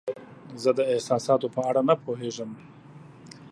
زه د احساساتو په اړه نه پوهیږم.